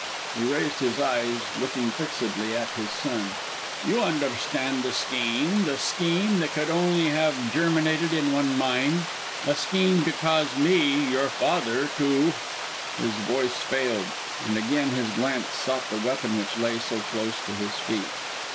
He raised his eyes, looking fixedly at his son. "You understand the scheme; the scheme that could only have germinated in one mind a scheme to cause me, your father, to " His voice failed and again his glance sought the weapon which lay so close to his feet.